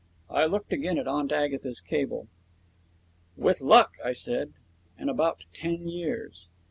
I looked again at Aunt Agatha's cable. 'With luck,' I said, 'in about ten years.'